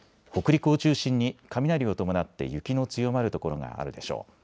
北陸を中心に雷を伴って雪の強まる所があるでしょう。